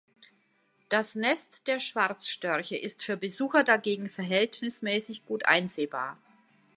Das Nest der Schwarzstörche ist für Besucher dagegen verhältnismäßig gut einsehbar.